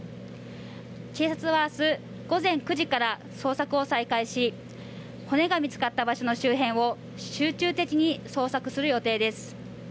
警察は明日午前９時から捜索を再開し骨が見つかった場所の周辺を集中的に捜索する予定です。